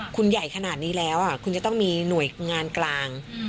คุณใหญ่ขนาดนี้แล้วคุณจะต้องมีหน่วยงานกลาง